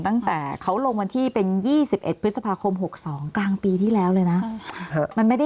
ตั้งแต่เขาลงวันที่เป็น๒๑พฤษภาคม๖๒กลางปีที่แล้วเลยนะ